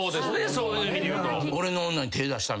そういう意味でいうと。